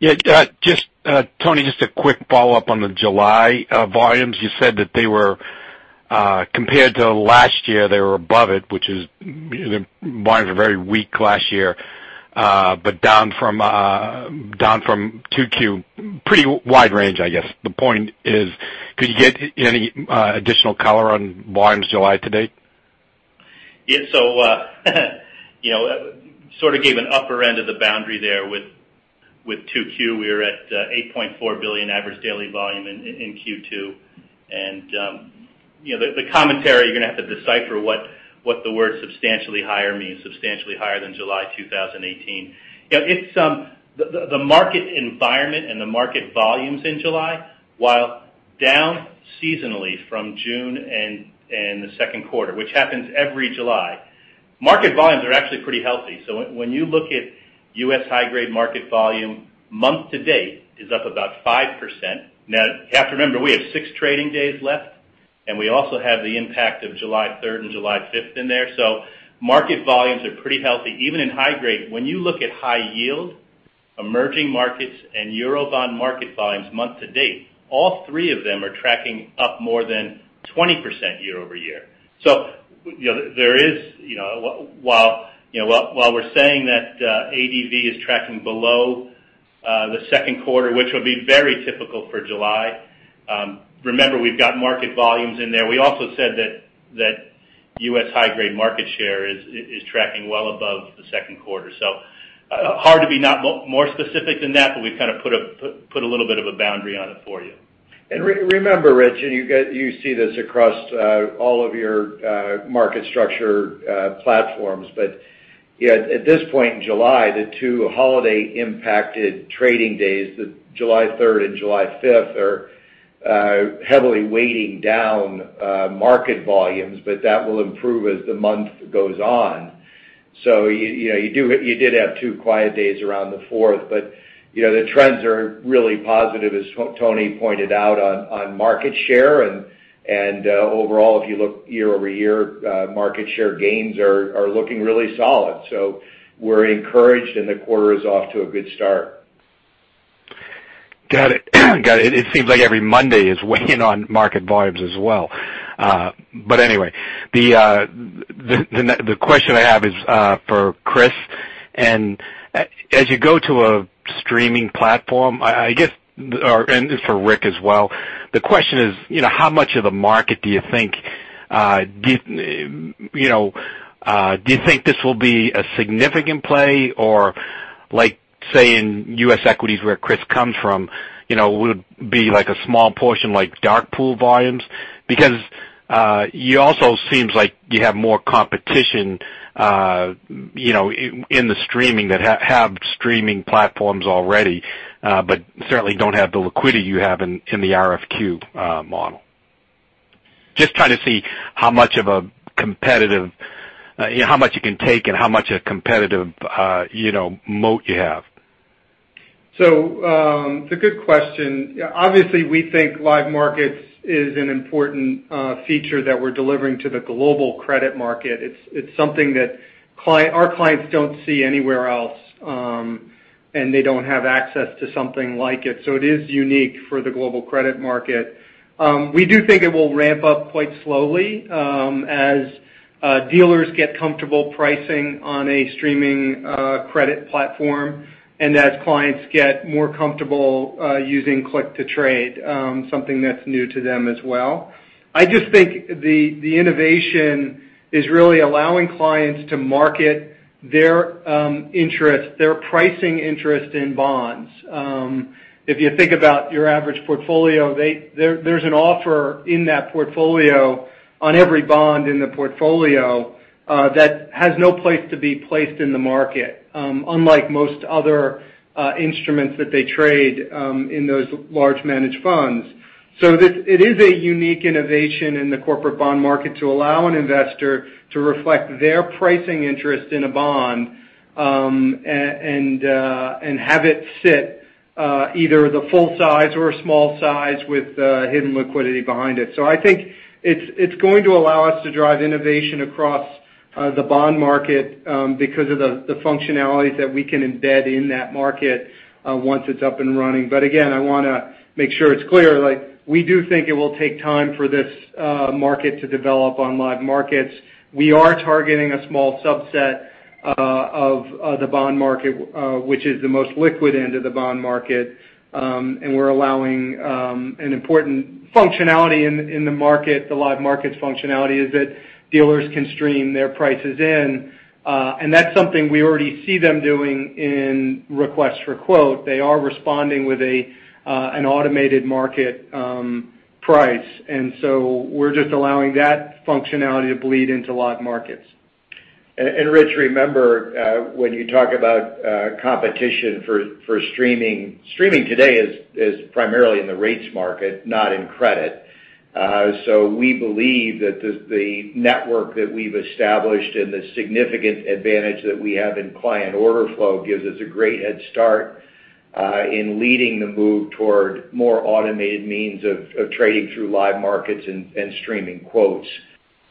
Yeah. Tony, just a quick follow-up on the July volumes. You said that compared to last year, they were above it, which is volumes were very weak last year, but down from 2Q. Pretty wide range, I guess. The point is, could you give any additional color on volumes July to date? Yeah. Sort of gave an upper end of the boundary there with 2Q. We were at 8.4 billion average daily volume in Q2. The commentary, you're going to have to decipher what the word substantially higher means, substantially higher than July 2018. The market environment and the market volumes in July, while down seasonally from June and the second quarter, which happens every July, market volumes are actually pretty healthy. When you look at U.S. high-grade market volume, month to date is up about 5%. Now, you have to remember, we have six trading days left, and we also have the impact of July 3rd and July 5th in there. Market volumes are pretty healthy, even in high grade. When you look at high yield, emerging markets, and Eurobond market volumes month to date, all three of them are tracking up more than 20% year-over-year. While we're saying that ADV is tracking below the second quarter, which will be very typical for July. Remember, we've got market volumes in there. We also said that U.S. high-grade market share is tracking well above the second quarter. Hard to be more specific than that, but we've kind of put a little bit of a boundary on it for you. Remember, Rich, and you see this across all of your market structure platforms. At this point in July, the two holiday impacted trading days, July 3rd and July 5th, are heavily weighting down market volumes, but that will improve as the month goes on. You did have two quiet days around the fourth, but the trends are really positive, as Tony pointed out, on market share. Overall, if you look year-over-year, market share gains are looking really solid. We're encouraged, and the quarter is off to a good start. Got it. It seems like every Monday is weighing on market volumes as well. Anyway, the question I have is for Chris, and as you go to a streaming platform, and this is for Rick as well, the question is how much of the market do you think. Do you think this will be a significant play? Say, in U.S. equities where Chris comes from, would it be a small portion like dark pool volumes? You also seems like you have more competition in the streaming that have streaming platforms already. Certainly don't have the liquidity you have in the RFQ model. Just trying to see how much you can take and how much a competitive moat you have. It's a good question. Obviously, we think Live Markets is an important feature that we're delivering to the global credit market. It's something that our clients don't see anywhere else, and they don't have access to something like it. It is unique for the global credit market. We do think it will ramp up quite slowly as dealers get comfortable pricing on a streaming credit platform and as clients get more comfortable using click-to-trade, something that's new to them as well. I just think the innovation is really allowing clients to market their pricing interest in bonds. If you think about your average portfolio, there's an offer in that portfolio on every bond in the portfolio that has no place to be placed in the market unlike most other instruments that they trade in those large managed funds. It is a unique innovation in the corporate bond market to allow an investor to reflect their pricing interest in a bond and have it sit either the full size or a small size with hidden liquidity behind it. I think it's going to allow us to drive innovation across the bond market because of the functionalities that we can embed in that market once it's up and running. Again, I want to make sure it's clear, we do think it will take time for this market to develop on Live Markets. We are targeting a small subset of the bond market which is the most liquid end of the bond market. We're allowing an important functionality in the market, the Live Markets functionality, is that dealers can stream their prices in. That's something we already see them doing in Request for Quote. They are responding with an automated market price. We're just allowing that functionality to bleed into Live Markets. Rich, remember, when you talk about competition for streaming today is primarily in the rates market, not in credit. We believe that the network that we've established and the significant advantage that we have in client overflow gives us a great head start in leading the move toward more automated means of trading through Live Markets and streaming quotes.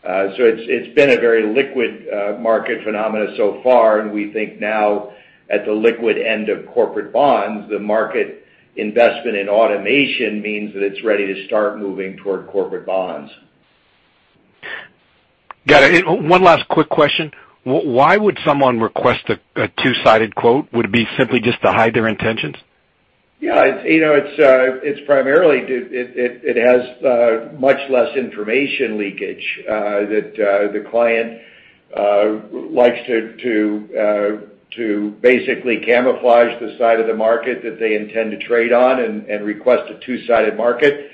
It's been a very liquid market phenomena so far, and we think now at the liquid end of corporate bonds, the market investment in automation means that it's ready to start moving toward corporate bonds. Got it. One last quick question. Why would someone request a two-sided quote? Would it be simply just to hide their intentions? Yeah. It's primarily, it has much less information leakage that the client likes to basically camouflage the side of the market that they intend to trade on and request a two-sided market.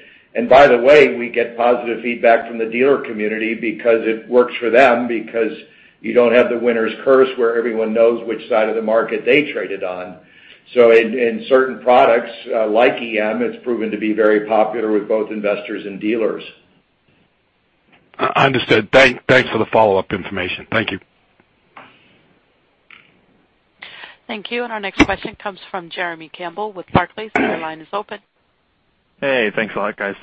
By the way, we get positive feedback from the dealer community because it works for them, because you don't have the winner's curse where everyone knows which side of the market they traded on. In certain products, like EM, it's proven to be very popular with both investors and dealers. Understood. Thanks for the follow-up information. Thank you. Thank you. Our next question comes from Jeremy Campbell with Barclays. Your line is open. Hey, thanks a lot guys.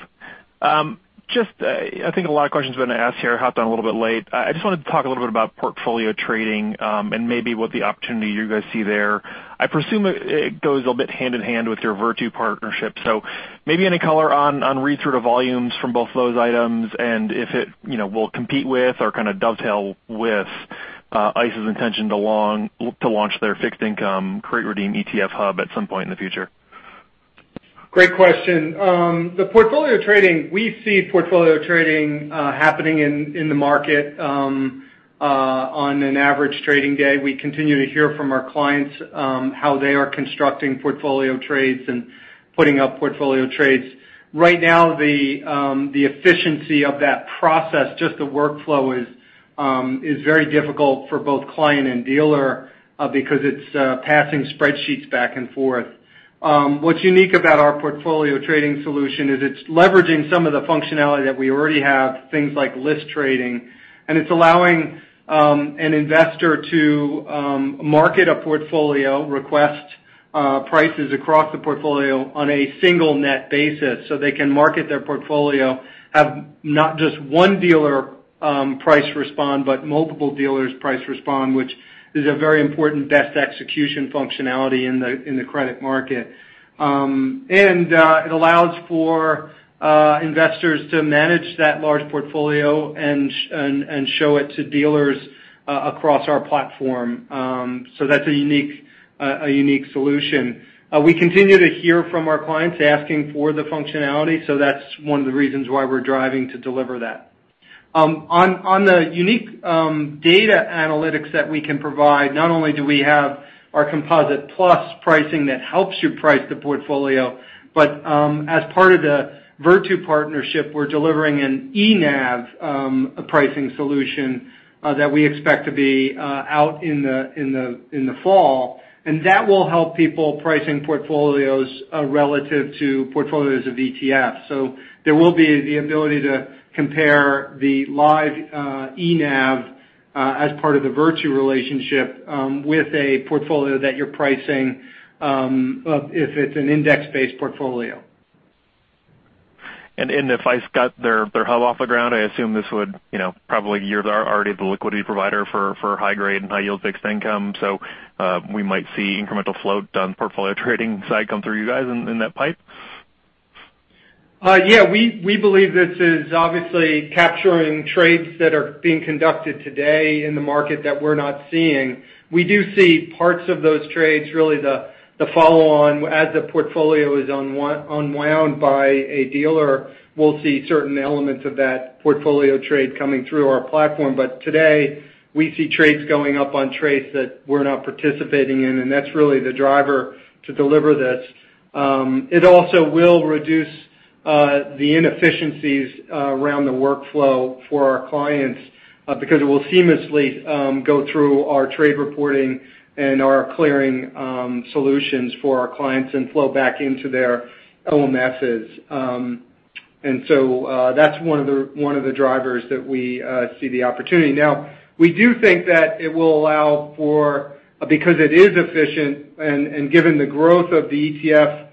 I think a lot of questions have been asked here. Hopped on a little bit late. I just wanted to talk a little bit about portfolio trading, and maybe what the opportunity you guys see there. I presume it goes a bit hand-in-hand with your Virtu partnership. Maybe any color on read-through of volumes from both those items and if it will compete with or kind of dovetail with ICE's intention to launch their fixed income create redeem ETF hub at some point in the future. Great question. The portfolio trading, we see portfolio trading happening in the market on an average trading day. We continue to hear from our clients, how they are constructing portfolio trades and putting up portfolio trades. The efficiency of that process, just the workflow, is very difficult for both client and dealer because it's passing spreadsheets back and forth. What's unique about our portfolio trading solution is it's leveraging some of the functionality that we already have, things like list trading, and it's allowing an investor to market a portfolio, request prices across the portfolio on a single net basis, so they can market their portfolio, have not just one dealer price respond, but multiple dealers price respond, which is a very important best execution functionality in the credit market. It allows for investors to manage that large portfolio and show it to dealers across our platform. That's a unique solution. We continue to hear from our clients asking for the functionality, that's one of the reasons why we're driving to deliver that. On the unique data analytics that we can provide, not only do we have our Composite+ pricing that helps you price the portfolio, but as part of the Virtu partnership, we're delivering an eNAV pricing solution that we expect to be out in the fall. That will help people pricing portfolios relative to portfolios of ETF. There will be the ability to compare the live eNAV as part of the Virtu relationship with a portfolio that you're pricing, if it's an index-based portfolio. If ICE got their hub off the ground, I assume this probably you're already the liquidity provider for high grade and high yield fixed income. We might see incremental float on portfolio trading side come through you guys in that pipe? Yeah, we believe this is obviously capturing trades that are being conducted today in the market that we're not seeing. We do see parts of those trades, really the follow-on as the portfolio is unwound by a dealer. We'll see certain elements of that portfolio trade coming through our platform. Today, we see trades going up on trades that we're not participating in, and that's really the driver to deliver this. It also will reduce the inefficiencies around the workflow for our clients, because it will seamlessly go through our trade reporting and our clearing solutions for our clients and flow back into their OMSs. That's one of the drivers that we see the opportunity. We do think it will allow for, because it is efficient and given the growth of the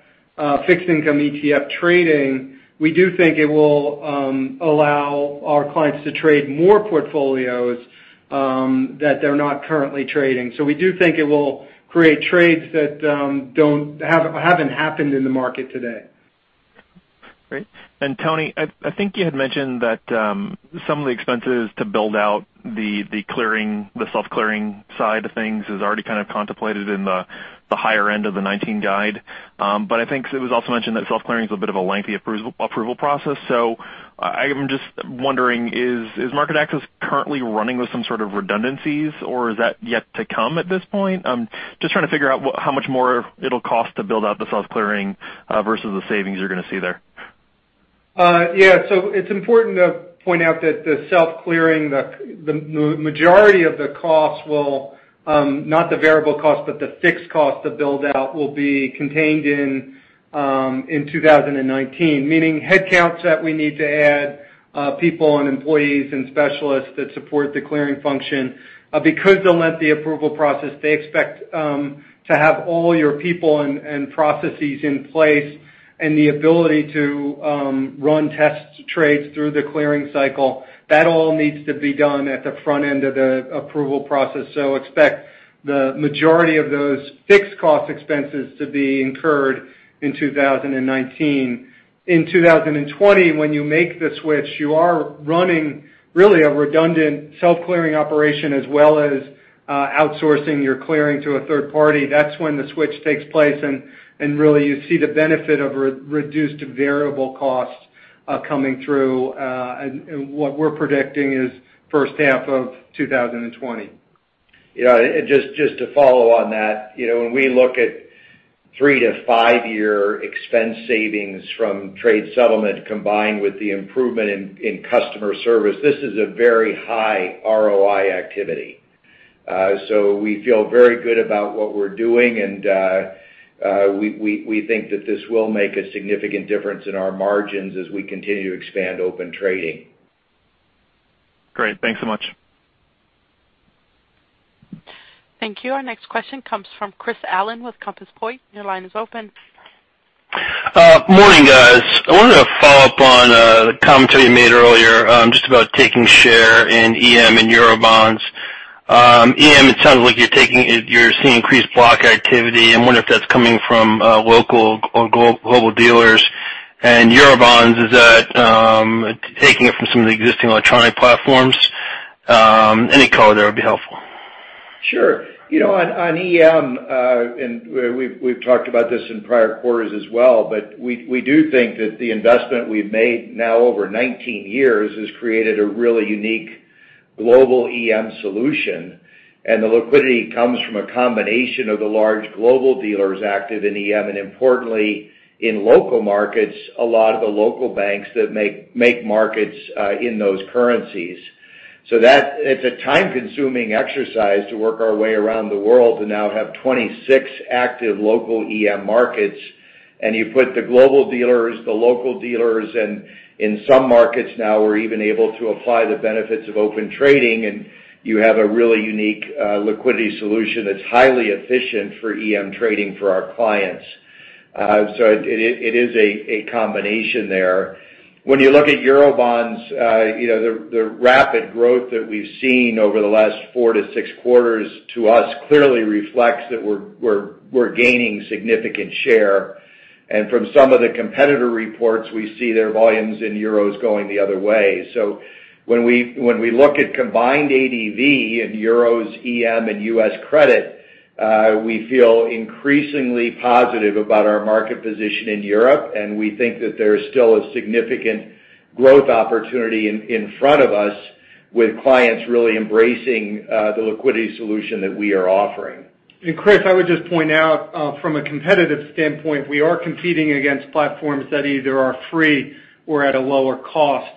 fixed income ETF trading, we do think it will allow our clients to trade more portfolios that they're not currently trading. We do think it will create trades that haven't happened in the market today. Great. Tony, I think you had mentioned that some of the expenses to build out the self-clearing side of things is already kind of contemplated in the higher end of the 2019 guide. I think it was also mentioned that self-clearing is a bit of a lengthy approval process. I'm just wondering, is MarketAxess currently running with some sort of redundancies, or is that yet to come at this point? I'm just trying to figure out how much more it'll cost to build out the self-clearing versus the savings you're going to see there. It's important to point out that the self-clearing, the majority of the costs will, not the variable cost, but the fixed cost to build out will be contained in 2019. Meaning, headcounts that we need to add, people and employees and specialists that support the clearing function. They expect to have all your people and processes in place and the ability to run test trades through the clearing cycle. That all needs to be done at the front end of the approval process. Expect the majority of those fixed cost expenses to be incurred in 2019. In 2020, when you make the switch, you are running really a redundant self-clearing operation as well as outsourcing your clearing to a third party. That's when the switch takes place and really you see the benefit of reduced variable cost coming through, and what we're predicting is first half of 2020. Yeah, just to follow on that. When we look at three- to five-year expense savings from trade settlement combined with the improvement in customer service, this is a very high ROI activity. We feel very good about what we're doing, and we think that this will make a significant difference in our margins as we continue to expand Open Trading. Great. Thanks so much. Thank you. Our next question comes from Chris Allen with Compass Point. Your line is open. Morning, guys. I wanted to follow up on the commentary you made earlier, just about taking share in EM and Eurobonds. EM, it sounds like you're seeing increased block activity. I wonder if that's coming from local or global dealers. Eurobonds, is that taking it from some of the existing electronic platforms? Any color there would be helpful. Sure. On EM, we've talked about this in prior quarters as well, we do think that the investment we've made now over 19 years has created a really unique global EM solution. The liquidity comes from a combination of the large global dealers active in EM, and importantly, in local markets, a lot of the local banks that make markets in those currencies. It's a time-consuming exercise to work our way around the world to now have 26 active local EM markets. You put the global dealers, the local dealers, and in some markets now we're even able to apply the benefits of Open Trading, and you have a really unique liquidity solution that's highly efficient for EM trading for our clients. It is a combination there. When you look at Eurobonds, the rapid growth that we've seen over the last four to six quarters, to us, clearly reflects that we're gaining significant share. From some of the competitor reports, we see their volumes in euros going the other way. When we look at combined ADV in euros, EM, and U.S. credit, we feel increasingly positive about our market position in Europe, and we think that there is still a significant growth opportunity in front of us with clients really embracing the liquidity solution that we are offering. Chris, I would just point out, from a competitive standpoint, we are competing against platforms that either are free or at a lower cost.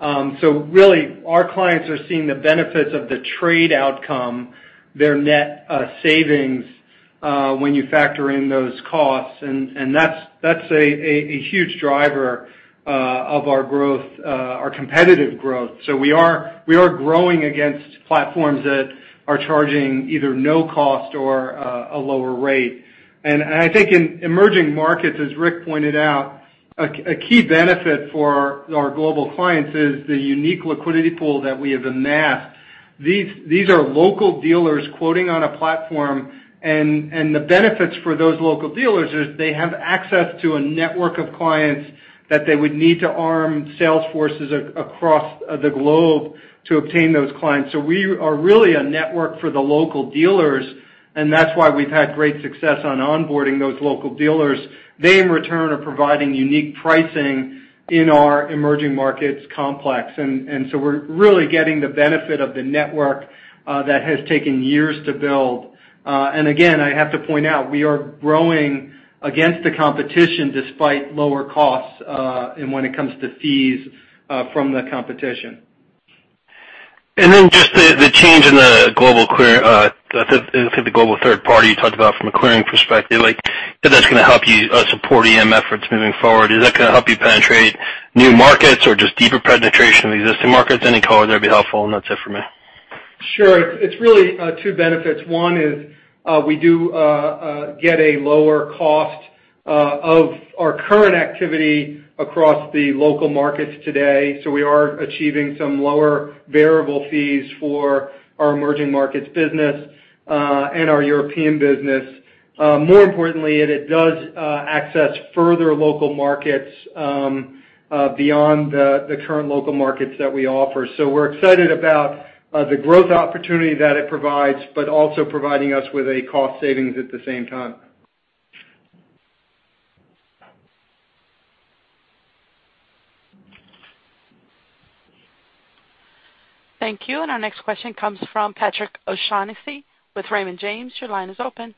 Really, our clients are seeing the benefits of the trade outcome, their net savings, when you factor in those costs, and that's a huge driver of our competitive growth. We are growing against platforms that are charging either no cost or a lower rate. I think in emerging markets, as Rick pointed out, a key benefit for our global clients is the unique liquidity pool that we have amassed. These are local dealers quoting on a platform, and the benefits for those local dealers is they have access to a network of clients that they would need to arm sales forces across the globe to obtain those clients. We are really a network for the local dealers, and that's why we've had great success on onboarding those local dealers. They, in return, are providing unique pricing in our emerging markets complex. We're really getting the benefit of the network that has taken years to build. Again, I have to point out, we are growing against the competition despite lower costs, and when it comes to fees from the competition. Just the change in the global third party you talked about from a clearing perspective, if that's going to help you support EM efforts moving forward. Is that going to help you penetrate new markets or just deeper penetration of the existing markets? Any color there would be helpful, and that's it for me. Sure. It's really two benefits. One is we do get a lower cost of our current activity across the local markets today. We are achieving some lower variable fees for our emerging markets business and our European business. More importantly, it does access further local markets beyond the current local markets that we offer. We're excited about the growth opportunity that it provides, but also providing us with a cost savings at the same time. Thank you. Our next question comes from Patrick O'Shaughnessy with Raymond James. Your line is open.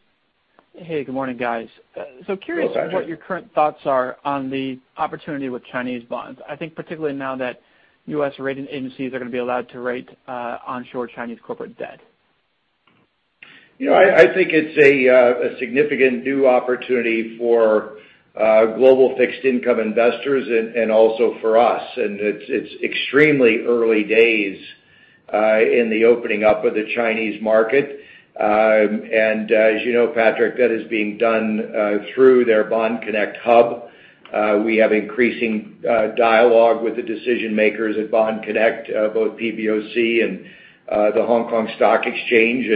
Hey, good morning, guys. Good morning. Curious what your current thoughts are on the opportunity with Chinese bonds. I think particularly now that U.S. rating agencies are going to be allowed to rate onshore Chinese corporate debt. I think it's a significant new opportunity for global fixed income investors and also for us. It's extremely early days in the opening up of the Chinese market. As you know, Patrick, that is being done through their Bond Connect hub. We have increasing dialogue with the decision-makers at Bond Connect, both PBOC and the Hong Kong Stock Exchange.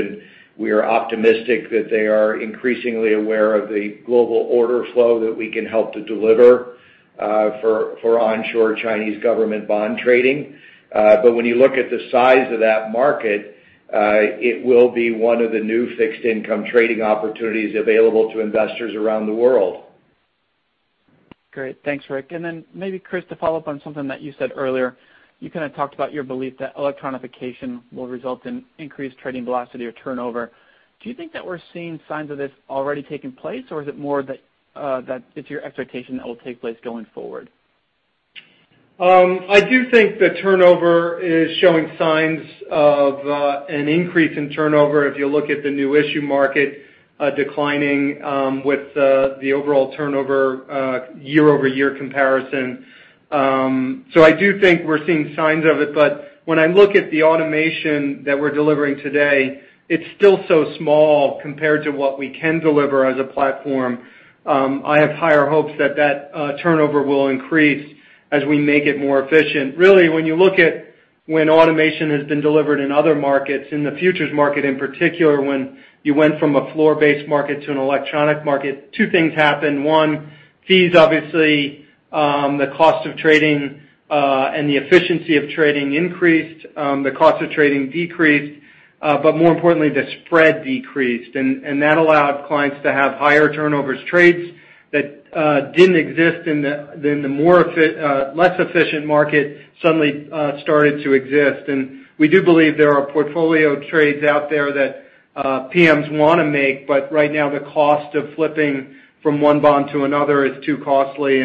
We are optimistic that they are increasingly aware of the global order flow that we can help to deliver for onshore Chinese government bond trading. When you look at the size of that market, it will be one of the new fixed income trading opportunities available to investors around the world. Great. Thanks, Rick. Maybe Chris, to follow up on something that you said earlier, you kind of talked about your belief that electronification will result in increased trading velocity or turnover. Do you think that we're seeing signs of this already taking place, or is it more that it's your expectation that will take place going forward? I do think the turnover is showing signs of an increase in turnover if you look at the new issue market declining with the overall turnover year-over-year comparison. I do think we're seeing signs of it, but when I look at the automation that we're delivering today, it's still so small compared to what we can deliver as a platform. I have higher hopes that that turnover will increase as we make it more efficient. Really, when automation has been delivered in other markets, in the futures market in particular, when you went from a floor-based market to an electronic market, two things happened. One, fees, obviously, the cost of trading, and the efficiency of trading increased. The cost of trading decreased, but more importantly, the spread decreased. That allowed clients to have higher turnover trades that didn't exist in the less efficient market suddenly started to exist. We do believe there are portfolio trades out there that PMs want to make, but right now, the cost of flipping from one bond to another is too costly.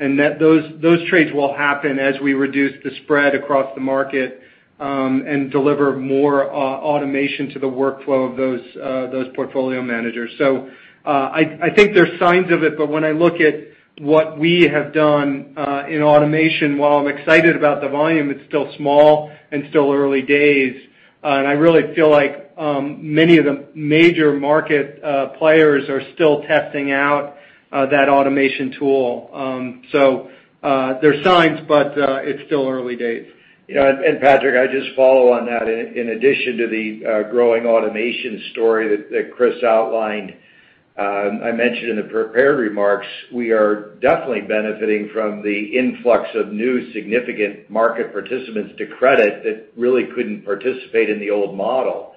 Those trades will happen as we reduce the spread across the market, and deliver more automation to the workflow of those portfolio managers. I think there's signs of it, but when I look at what we have done in automation, while I'm excited about the volume, it's still small and still early days. I really feel like many of the major market players are still testing out that automation tool. There's signs, but it's still early days. Patrick, I'd just follow on that. In addition to the growing automation story that Chris outlined, I mentioned in the prepared remarks, we are definitely benefiting from the influx of new significant market participants to credit that really couldn't participate in the old model.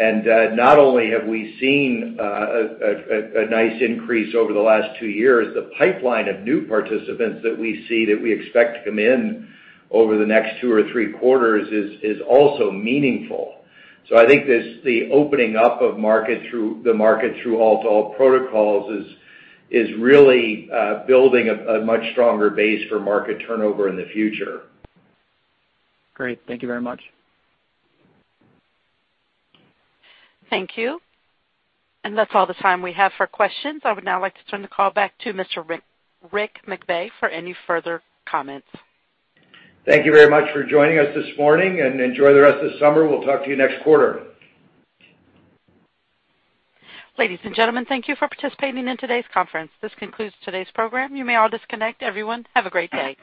Not only have we seen a nice increase over the last two years, the pipeline of new participants that we see that we expect to come in over the next two or three quarters is also meaningful. I think the opening up of the market through all-to-all protocols is really building a much stronger base for market turnover in the future. Great. Thank you very much. Thank you. That's all the time we have for questions. I would now like to turn the call back to Mr. Rick McVey for any further comments. Thank you very much for joining us this morning, and enjoy the rest of the summer. We'll talk to you next quarter. Ladies and gentlemen, thank you for participating in today's conference. This concludes today's program. You may all disconnect. Everyone, have a great day.